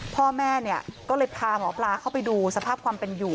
พ่อแม่เนี่ยก็เลยพาหมอปลาเข้าไปดูสภาพความเป็นอยู่